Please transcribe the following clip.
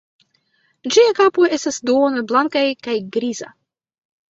Ĝia kapo estas duone blankaj kaj griza.